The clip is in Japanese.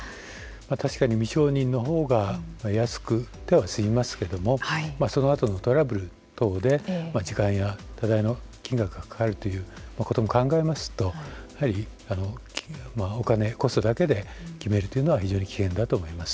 確かに未承認のほうが安く済みますけどもそのあとのトラブル等で時間や多大の金額がかかるということも考えますとやはりお金、コストだけで決めるというのは非常に危険だと思います。